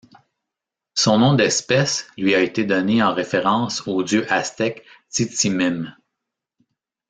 Son nom d'espèce lui a été donné en référence au dieu aztèque Tzitzimime.